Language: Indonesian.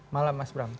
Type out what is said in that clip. malam mas bram